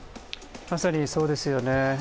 まさにそうですよね。